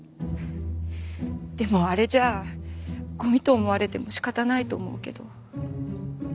でもあれじゃあゴミと思われても仕方ないと思うけど。